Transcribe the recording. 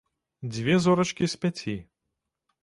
Дзве зорачкі з пяці.